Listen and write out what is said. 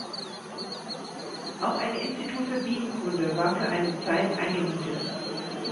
Auch ein Institut für Bienenkunde war für eine Zeit eingemietet.